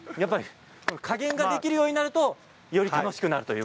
加減ができるようになるとより楽しくなります。